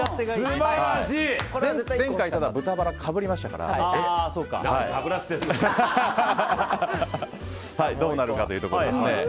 前回、豚バラがかぶりましたからどうなるかというところですね。